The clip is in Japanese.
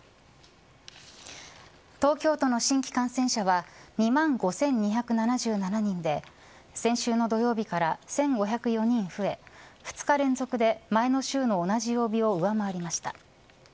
東京都の新規感染者は２万５２７７人で先週の土曜日から１５０４人増え２日連続で前の週の同じ曜日を上回りました。